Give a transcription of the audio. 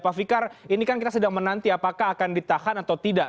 pak fikar ini kan kita sedang menanti apakah akan ditahan atau tidak